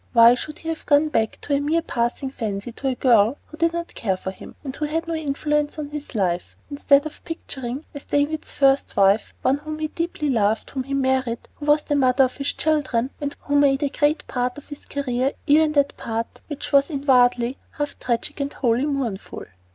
Why should he have gone back to a mere passing fancy, to a girl who did not care for him, and who had no influence on his life, instead of picturing, as David's first wife, one whom he deeply loved, whom he married, who was the mother of his children, and who made a great part of his career, even that part which was inwardly half tragic and wholly mournful?